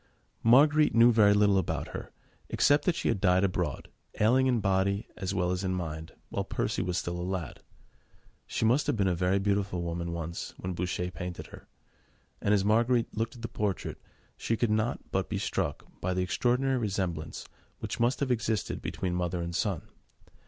Marguerite knew very little about her, except that she had died abroad, ailing in body as well as in mind, when Percy was still a lad. She must have been a very beautiful woman once, when Boucher painted her, and as Marguerite looked at the portrait, she could not but be struck by the extraordinary resemblance which must have existed between mother and son.